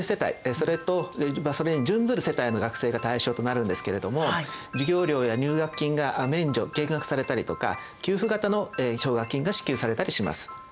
それとそれに準ずる世帯の学生が対象となるんですけれども授業料や入学金が免除・減額されたりとか給付型の奨学金が支給されたりします。